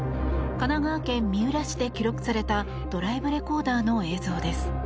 神奈川県三浦市で記録されたドライブレコーダーの映像です。